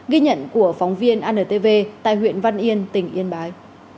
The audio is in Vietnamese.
ghi nhận của phóng viên antv tại huyện văn yên tỉnh yên bái